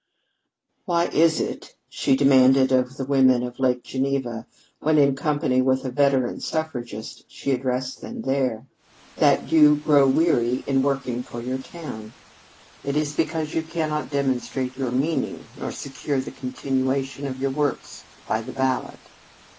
"Why is it," she demanded of the women of Lake Geneva when, in company with a veteran suffragist, she addressed them there, "that you grow weary in working for your town? It is because you cannot demonstrate your meaning nor secure the continuation of your works by the ballot.